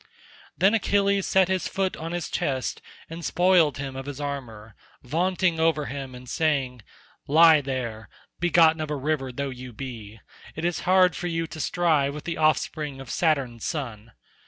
Then Achilles set his foot on his chest and spoiled him of his armour, vaunting over him and saying, "Lie there—begotten of a river though you be, it is hard for you to strive with the offspring of Saturn's son.